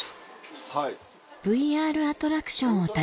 はい。